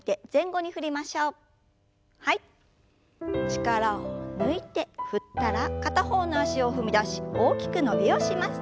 力を抜いて振ったら片方の脚を踏み出し大きく伸びをします。